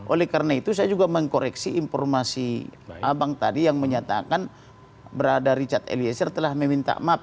oleh karena itu saya juga mengkoreksi informasi abang tadi yang menyatakan berada richard eliezer telah meminta maaf